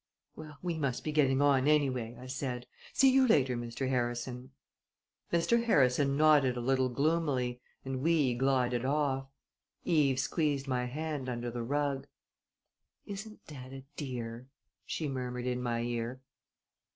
"Well, we must be getting on, anyway," I said. "See you later, Mr. Harrison!" Mr. Harrison nodded a little gloomily and we glided off. Eve squeezed my hand under the rug. "Isn't dad a dear!" she murmured in my ear.